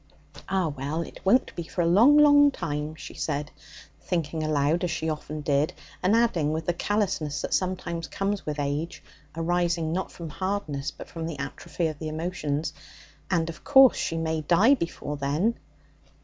'Ah, well, it won't be for a long, long time,' she said, thinking aloud as she often did, and adding with the callousness that sometimes comes with age arising not from hardness, but from the atrophy of the emotions 'and, of course, she may die before then.'